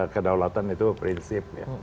kedaulatan itu prinsip ya